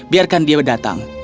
biarkan dia datang